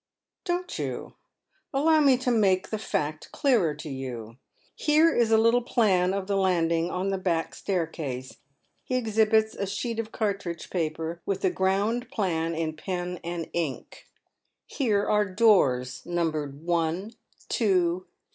Don't you? Allow me to make the fact clearer to you. Her© is a little plan of the landing on the back staircase." He exhibits a sheet of cartridge paper, with a ground plan in pen and ink. ^ Here are doors numbered 1, 2, 3.